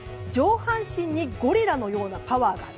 半身にゴリラのようなパワーがある。